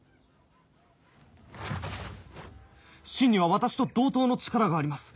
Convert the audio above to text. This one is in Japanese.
信には私と同等の力があります